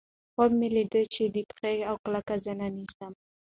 خوب مې ليدلے چې دې پښې اؤ کله زنه نيسم